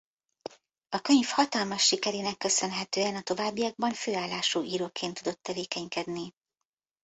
A könyv hatalmas sikerének köszönhetően a továbbiakban főállású íróként tudott tevékenykedni.